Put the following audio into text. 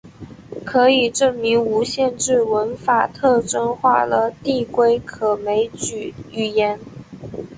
可以证明无限制文法特征化了递归可枚举语言。